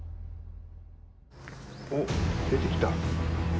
おっ出てきた。